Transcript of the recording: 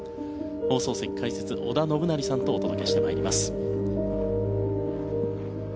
放送席、解説は織田信成さんとお届けします。